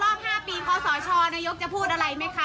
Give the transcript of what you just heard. วันนี้พบรอบ๕ปีขศนายกจะพูดอะไรไหมคะ